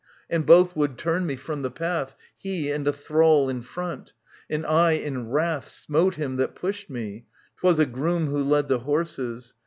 And both would turn me from the path. He and a thrall in front. And I in wrath Smote him that pushed me — 'twas a groom who led The horses.